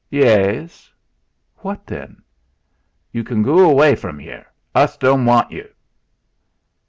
"Yeas." "What, then?" "Yu can goo away from yere. Us don' want yu."